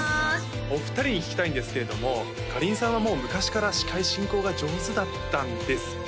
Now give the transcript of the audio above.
お二人に聞きたいんですけれどもかりんさんはもう昔から司会進行が上手だったんですか？